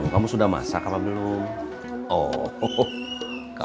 kamu udah rumah pintar